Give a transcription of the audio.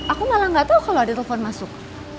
aku malah gak tau kalau ada telepon masuk